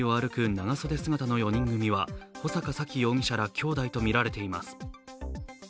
長袖姿の４人組は穂坂沙喜容疑者らきょうだいとみられています。